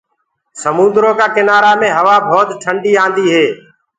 سموندرو ڪآ ڪِنآرآ مي هوآ ڀوت ٽنڊي آندي هي۔